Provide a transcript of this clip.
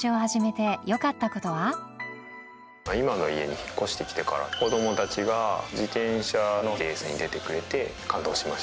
今の家に引っ越して来てから子どもたちが自転車のレースに出てくれて感動しました。